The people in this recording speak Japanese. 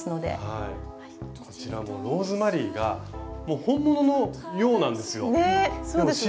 はいこちらもローズマリーがもう本物のようなんですよ！ね！